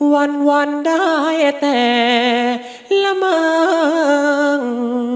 วันได้แต่ละมั้ง